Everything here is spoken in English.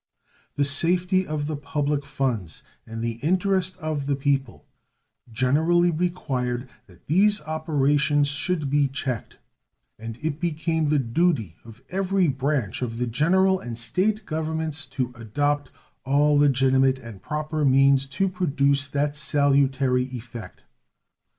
The safety of the public funds and the interest of the people generally required that these operations should be checked; and it became the duty of every branch of the General and State Governments to adopt all legitimate and proper means to produce that salutary effect.